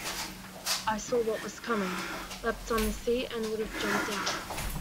I saw what was coming, leapt on the seat and would have jumped out.